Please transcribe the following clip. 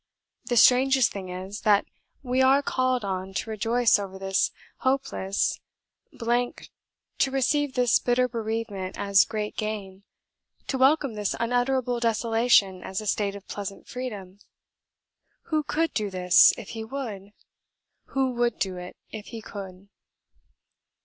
The strangest thing is, that we are called on to rejoice over this hopeless blank to receive this bitter bereavement as great gain to welcome this unutterable desolation as a state of pleasant freedom. Who COULD do this if he would? Who WOULD do it if he could?